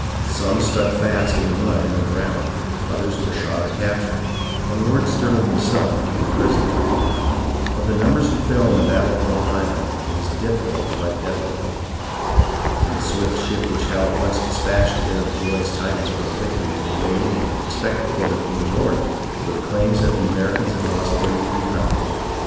Some stuck fast in the mud and were drowned, others were shot or captured, and Lord Stirhng himself became a prisoner. Of the numbers who fell in the battle of Long Island, it is difficult to write definitely. In the swift ship which Howe at once despatched to bear the joyous tidings of his victory to the waiting and expectant court of King George, were claims that the Americans had lost thirty three hundred.